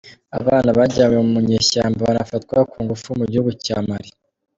Abana bajyanywe mu nyeshyamba banafatwa ku ngufu Mugihugu Cya Mali